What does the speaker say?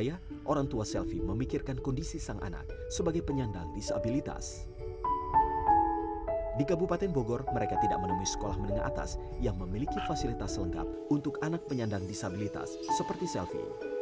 yang memiliki fasilitas lengkap untuk anak penyandang disabilitas seperti selvi